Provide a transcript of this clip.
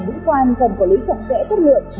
vũ quan cần có lý trọng trẻ chất lượng